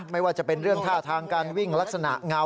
ไม่ว่าจะเป็นเรื่องท่าทางการวิ่งลักษณะเงา